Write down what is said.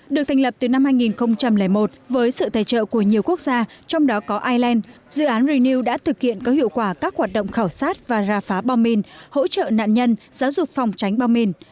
được thành lập từ năm hai nghìn một với sự tài trợ của nhiều quốc gia trong đó có ireland dự án reu đã thực hiện có hiệu quả các hoạt động khảo sát và ra phá bom mìn hỗ trợ nạn nhân giáo dục phòng tránh bom mìn